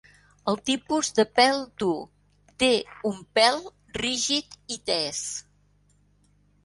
El tipus de pèl dur, té un pèl rígid i tes.